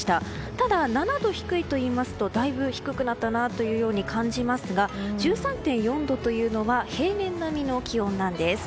ただ、７度低いといいますとだいぶ低くなったなと感じますが１３．４度というのは平年並みの気温なんです。